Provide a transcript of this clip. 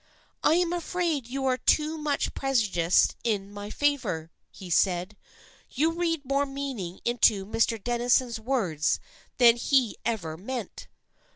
" I am afraid you are too much prejudiced in my favor," he said. " You read more meaning into Mr. Dennison's words than he ever meant."